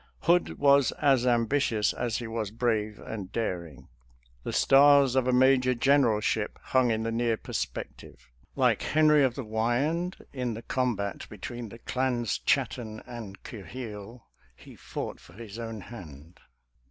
Hood was as ambitious as he was brave and daring. The stars of a major generalship hung in the near perspective. Like Henry of the Wyand in the combat between the clans Chattan and Quhile, he " fought for his own hand."